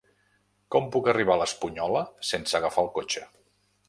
Com puc arribar a l'Espunyola sense agafar el cotxe?